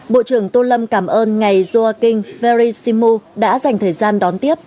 bộ trưởng tô lâm cảm ơn ngày joaquin verisimu đã dành thời gian đón